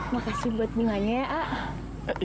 makasih buat nungguinnya ya ah